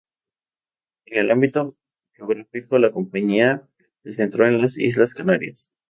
En el ámbito geográfico, la compañía se centró en las Islas Canarias.